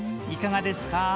いかがですか？